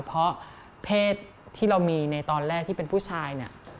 เพราะเพศที่เรามีในตอนแรกที่เป็นผู้ชายเนี่ย